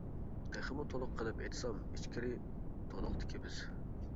تېخىمۇ تولۇق قىلىپ ئېيتسام، ئىچكىرى تولۇقتىكى بىز.